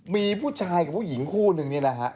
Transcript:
มีผู้ชายกับผู้หญิงคู่นึงเนี่ยนะครับ